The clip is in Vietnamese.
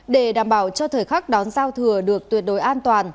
để đảm bảo cho thời khắc đón giao thừa được tuyệt đối an toàn